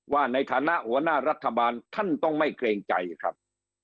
ว่าในฐานะหัวหน้ารัฐบาลท่านต้องไม่เกรงใจครับ